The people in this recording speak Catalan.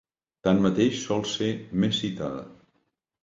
Tanmateix, sol ser més citada.